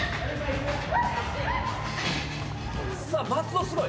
さあ松尾すごい！